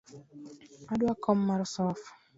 Adwa kom mar sofa.